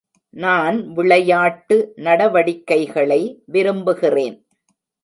நான் விளையாட்டு நடவடிக்கைகளை விரும்புகிறேன்.